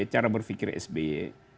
cara berpikir sby